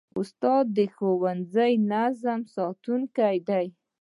استاد د ښوونځي د نظم ساتونکی دی.